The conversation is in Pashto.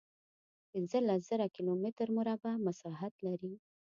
پنځلس زره کیلومتره مربع مساحت لري.